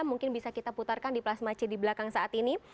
mungkin bisa kita putarkan di plasma c di belakang saat ini